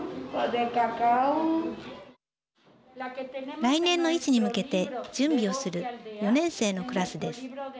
来年の市に向けて準備をする４年生のクラスです。